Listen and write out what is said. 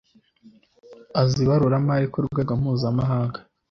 azi ibaruramari ku rwego mpuzamahanga